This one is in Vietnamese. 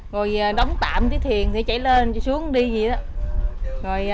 rồi đóng tạm cái thiền thì chạy lên xuống đi vậy đó